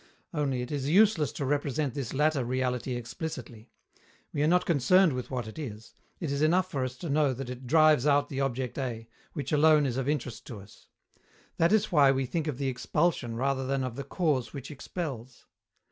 Only, it is useless to represent this latter reality explicitly; we are not concerned with what it is; it is enough for us to know that it drives out the object A, which alone is of interest to us. That is why we think of the expulsion rather than of the cause which expels.